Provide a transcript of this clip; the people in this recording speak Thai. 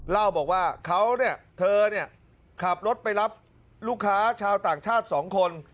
เล่าบอกว่าเขาเธอขับรถไปรับลูกค้าชาวต่างชาติ๒คน